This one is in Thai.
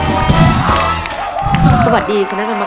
สวัสดีคณะกรรมการ